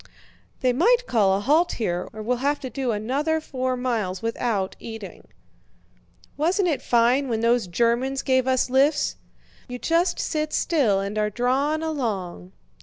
"They might call a halt here or we'll have to do another four miles without eating." "Wasn't it fine when those Germans gave us lifts! You just sit still and are drawn along."